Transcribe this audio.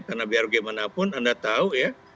karena biar bagaimanapun anda tahu ya